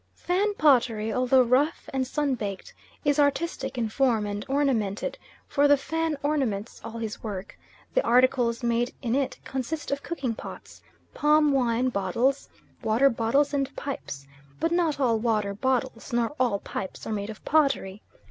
Fan pottery, although rough and sunbaked, is artistic in form and ornamented, for the Fan ornaments all his work; the articles made in it consist of cooking pots, palm wine bottles, water bottles and pipes, but not all water bottles, nor all pipes are made of pottery.